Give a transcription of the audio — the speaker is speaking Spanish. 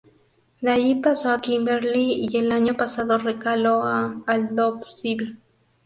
De allí pasó a Kimberley y el año pasado recaló en Aldosivi.